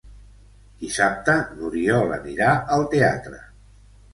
Dissabte n'Oriol anirà al teatre.